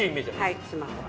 はいスマホは。